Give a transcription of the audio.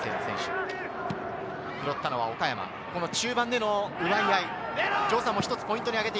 拾ったのは岡山、中盤での奪い合い。